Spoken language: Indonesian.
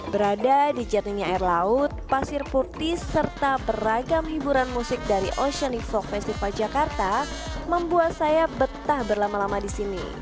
berada di jernihnya air laut pasir putih serta beragam hiburan musik dari oceanic folk festival jakarta membuat saya betah berlama lama di sini